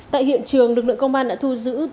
tại hiện trường lực lượng công an đã thu giữ